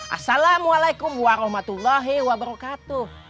assalamu'alaikum warahmatullahi wabarakatuh